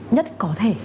nhất có thể